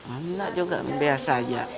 enggak juga biasa aja